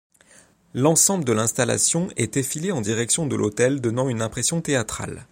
L'ensemble de l'installation est effilée en direction de l'autel donnant une impression théâtrale.